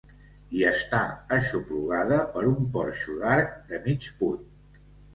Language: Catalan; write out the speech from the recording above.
I està aixoplugada per un porxo d'arc de mig punt.